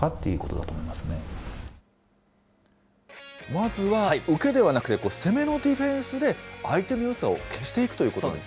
まずは受けではなくて攻めのディフェンスで、相手のよさを消そうなんです。